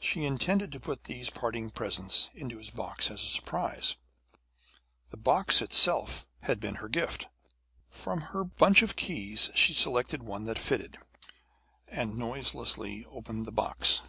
She intended to put these parting presents into his box as a surprise. The box itself had been her gift. From her bunch of keys she selected one that fitted, and noiselessly opened the box.